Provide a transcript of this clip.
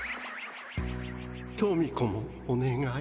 トミ子もおねがい。